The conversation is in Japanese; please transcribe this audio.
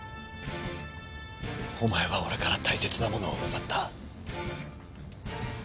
お前は俺から大切なものを奪った。